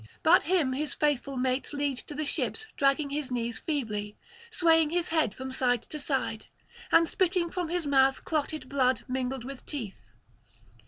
But him his faithful mates lead to the ships dragging his knees feebly, swaying his head from side to side, and spitting from his mouth clotted blood mingled with teeth.